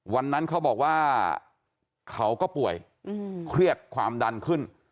วันนั้นเขาบอกว่าเขาก็ป่วยเครียดความดันขึ้น